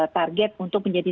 target untuk menjadi